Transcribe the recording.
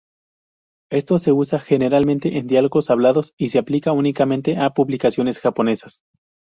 Esto se usa, generalmente, en diálogos hablados y se aplica únicamente a publicaciones japonesas.